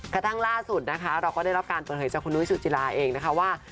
กระทั่งล่าสุดนะคะเราก็ได้รับการเปิดเผยจากคุณนุ้ยสุจิลาเองนะคะว่า